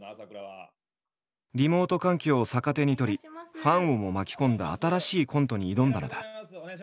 リモート環境を逆手に取りファンをも巻き込んだ新しいコントに挑んだのだ。